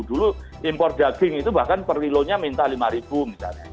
dulu impor daging itu bahkan per lilonya minta lima ribu misalnya